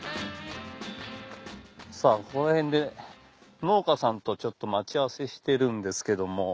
さぁこの辺で農家さんとちょっと待ち合わせしてるんですけども。